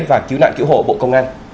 và cứu nạn cứu hộ bộ công an